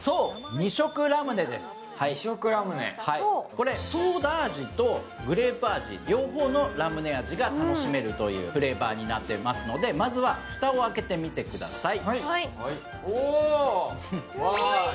これ、ソーダ味とグレープ味の両方のラムネ味が楽しめるというフレーバーになっていますので、まずは蓋を開けてみてください。